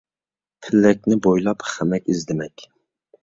پېلەكنى بويلاپ خەمەك ئىزدىمەك